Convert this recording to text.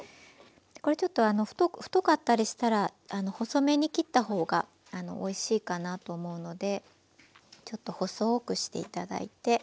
これちょっと太かったりしたら細めに切ったほうがおいしいかなと思うのでちょっと細くして頂いて。